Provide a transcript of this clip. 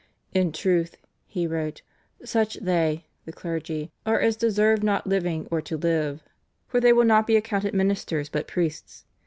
"In truth," he wrote, "such they [the clergy] are as deserve not living or to live. For they will not be accounted ministers but priests.